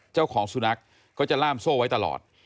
เจ้าของสุนัขก็จะล่ามโซ่ไว้ตลอด